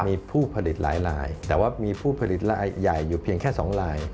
มีผู้ผลิตหลายลายแต่ว่ามีผู้ผลิตรายใหญ่อยู่เพียงแค่๒ลาย